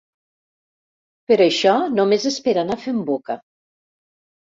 Però això només és per anar fent boca.